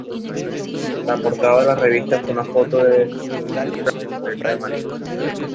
La portada de la revista fue una foto de Trail cubierta de mariposas.